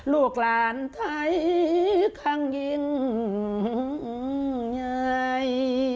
ลูกหลานไทยคั่งยิงไย